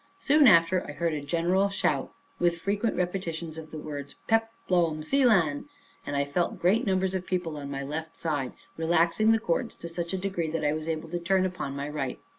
Soon after, I heard a general shout, with frequent repetitions of the words, Peplom selan, and I felt great numbers of people on my left side, relaxing the cords to such a degree, that I was able to turn upon my right.